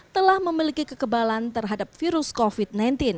telah memiliki kekebalan terhadap virus covid sembilan belas